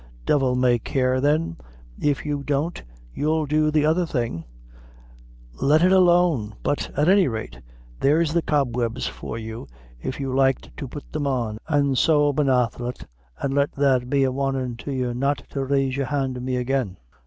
Divil may care then, if you don't you'll do the other thing let it alone: but, at any rate, there's the cobwebs for you, if you like to put them on; an' so bannatht latht, an' let that be a warnin' to you not to raise your hand to me again.